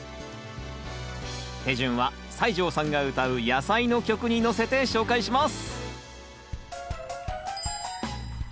手順は西城さんが歌うやさいの曲にのせて紹介します！